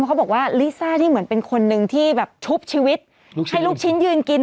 เขาบอกว่าลิซ่านี่เหมือนเป็นคนหนึ่งที่แบบชุบชีวิตให้ลูกชิ้นยืนกิน